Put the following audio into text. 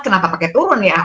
kenapa pakai turun ya